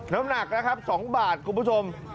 น้ำหนักนะครับ๒บาทคุณผู้ชม